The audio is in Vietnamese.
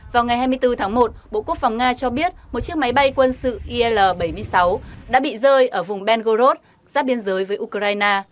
vào ngày hai mươi bốn tháng một bộ quốc phòng nga cho biết một chiếc máy bay quân sự il bảy mươi sáu đã bị rơi ở vùng ben gorod giáp biên giới với ukraine